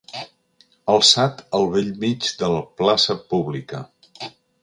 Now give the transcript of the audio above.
Alçat al bell mig de la plaça pública.